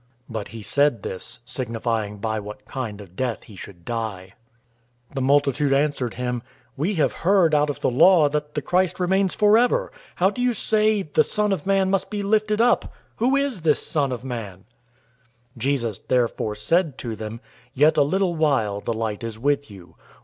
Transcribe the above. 012:033 But he said this, signifying by what kind of death he should die. 012:034 The multitude answered him, "We have heard out of the law that the Christ remains forever.{Isaiah 9:7; Daniel 2:44 (but see also Isaiah 53:8)} How do you say, 'The Son of Man must be lifted up?' Who is this Son of Man?" 012:035 Jesus therefore said to them, "Yet a little while the light is with you.